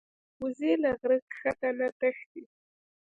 وزې له غره ښکته نه تښتي